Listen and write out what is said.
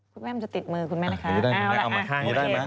คุณแม่มันจะติดมือคุณแม่แหละค่ะเอาละเอาละโอเคเอามาข้างจะได้ไหม